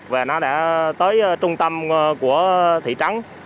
và nó đã tới trung tâm của thị trấn